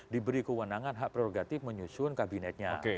diberi kewenangan hak prerogatif menyusun kabinetnya